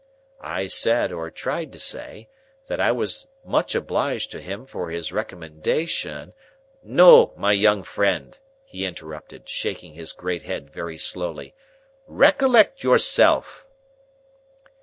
I said, or tried to say, that I was much obliged to him for his recommendation— "No, my young friend!" he interrupted, shaking his great head very slowly. "Recollect yourself!"